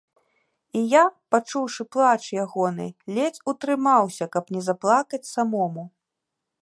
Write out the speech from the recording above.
І я, пачуўшы плач ягоны, ледзь утрымаўся, каб не заплакаць самому.